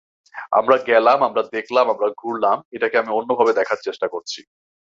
আমরা গেলাম, আমরা দেখলাম, আমরা ঘুরলাম—এটাকে আমি অন্যভাবে দেখার চেষ্টা করেছি।